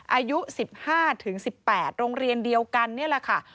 อายุ๑๕๑๘โรงเรียนเดียวกันนี่แหละค่ะ